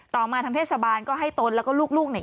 ต่อมาทางเทศบาลก็ให้ตนแล้วก็ลูกเนี่ย